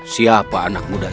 siapa anak muda itu